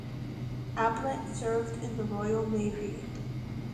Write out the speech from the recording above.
Ablett served in the Royal Navy.